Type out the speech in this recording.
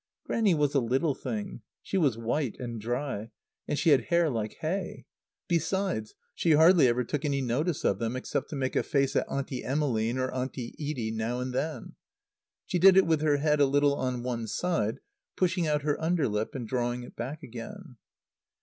Grannie was a little thing; she was white and dry; and she had hair like hay. Besides, she hardly ever took any notice of them except to make a face at Auntie Emmeline or Auntie Edie now and then. She did it with her head a little on one side, pushing out her underlip and drawing it back again.